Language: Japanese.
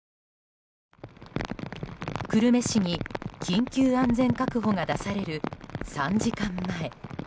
久留米市に緊急安全確保が出される３時間前。